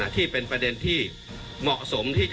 ที่เป็นประเด็นที่